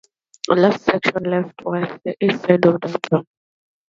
The last sections left were on the east side of downtown.